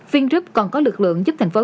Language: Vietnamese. vingroup còn có lực lượng giúp thành phố